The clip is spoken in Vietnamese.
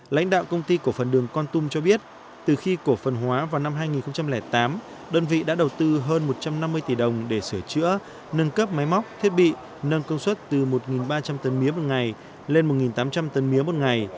lãnh đạo công ty cổ phần đường con tum cho biết từ khi cổ phần hóa vào năm hai nghìn tám đơn vị đã đầu tư hơn một trăm năm mươi tỷ đồng để sửa chữa nâng cấp máy móc thiết bị nâng công suất từ một ba trăm linh tấn mía một ngày lên một tám trăm linh tấn mía một ngày